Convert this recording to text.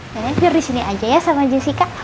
neneng tidur disini aja ya sama jessica